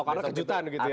oh karena kejutan gitu ya